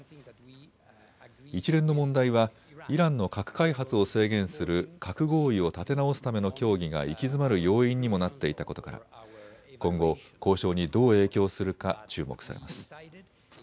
一連の問題はイランの核開発を制限する核合意を立て直すための協議が行き詰まる要因にもなっていたことから今後、交渉にどう影響するか注目されます。